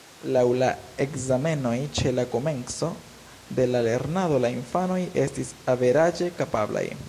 Laŭ la ekzamenoj ĉe la komenco de la lernado la infanoj estis averaĝe kapablaj.